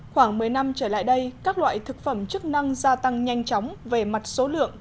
khoảng một mươi năm trở lại đây các loại thực phẩm chức năng gia tăng nhanh chóng về mặt số lượng